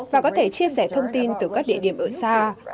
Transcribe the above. và có thể chia sẻ thông tin từ các địa điểm ở xa